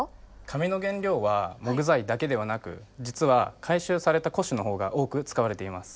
紙の原料は木材だけではなく実は回収された古紙のほうが多く使われています。